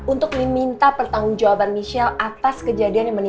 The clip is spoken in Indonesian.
untuk minta pertanggung jawaban michelle atas kejadian yang berlaku